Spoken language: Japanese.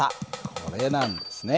これなんですね。